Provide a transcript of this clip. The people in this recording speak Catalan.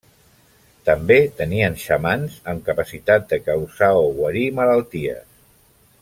També tenien xamans amb capacitat de causar o guarir malalties.